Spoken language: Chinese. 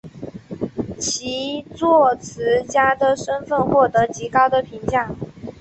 其作词家的身份获得极高的评价。